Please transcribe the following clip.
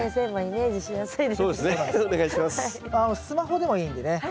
スマホでもいいんでね。